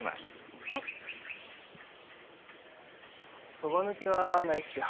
そば抜きはないっすよ。